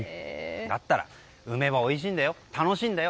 だったら、梅はおいしいんだよ楽しいんだよ